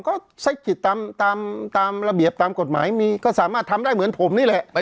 ก็ใช้จิตตามระเบียบตามกฎหมายมีก็สามารถทำได้เหมือนผมนี่แหละ